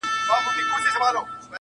د جانان چي په کوم لاره تله راتله وي,